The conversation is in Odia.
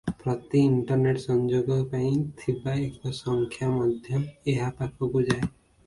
ପ୍ରତି ଇଣ୍ଟରନେଟ ସଂଯୋଗ ପାଇଁ ଥିବା ଏକ ସଂଖ୍ୟା ମଧ୍ୟ ଏହା ପାଖକୁ ଯାଏ ।